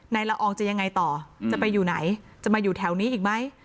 ละอองจะยังไงต่อจะไปอยู่ไหนจะมาอยู่แถวนี้อีกไหม